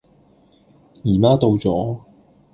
姨媽到左